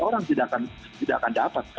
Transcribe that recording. orang tidak akan dapat